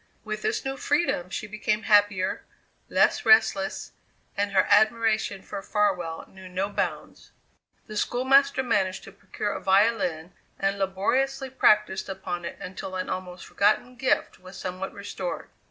With this new freedom she became happier, less restless, and her admiration for Farwell knew no bounds. The schoolmaster managed to procure a violin and laboriously practised upon it until an almost forgotten gift was somewhat restored.